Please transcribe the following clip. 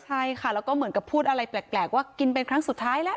ใช่ค่ะแล้วก็เหมือนกับพูดอะไรแปลกว่ากินเป็นครั้งสุดท้ายแล้ว